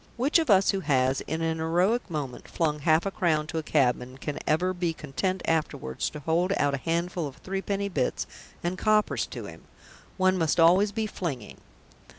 Which of us who has, in an heroic moment, flung half a crown to a cabman can ever be content afterwards to hold out a handful of three penny bits and coppers to him? One must always be flinging.